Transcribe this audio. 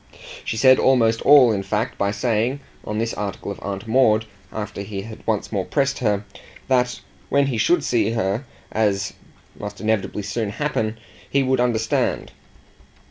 She said almost all in fact by saying, on this article of Aunt Maud, after he had once more pressed her, that when he should see her, as must inevitably soon happen, he would understand.